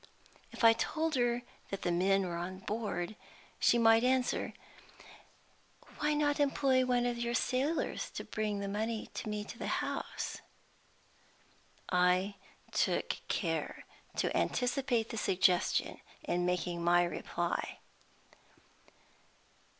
If I told her that the men were on board, she might answer, "Why not employ one of your sailors to bring the money to me at the house?" I took care to anticipate the suggestion in making my reply.